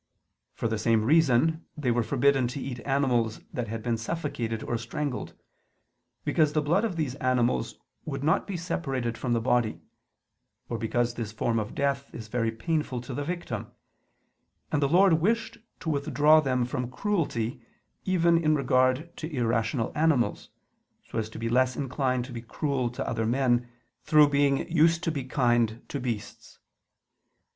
For the same reason they were forbidden to eat animals that had been suffocated or strangled: because the blood of these animals would not be separated from the body: or because this form of death is very painful to the victim; and the Lord wished to withdraw them from cruelty even in regard to irrational animals, so as to be less inclined to be cruel to other men, through being used to be kind to beasts.